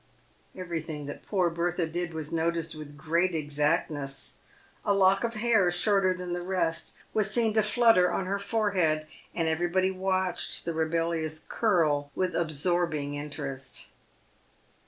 Everything that poor Bertha did was noticed with great exactness. PAVED WITH GOLD. 181 A lock of hair shorter than the rest was seen to nutter on her fore head, and everybody watched the rebellious curl with absorbing in terest.